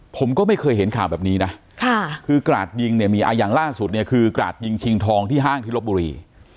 ผมก็ไม่เคยเห็นข่าวแบบนี้นะคือกราดยิงเนี่ยมีอย่างล่าสุดเนี่ยคือกราดยิงชิงทองที่ห้างที่ลบบุรี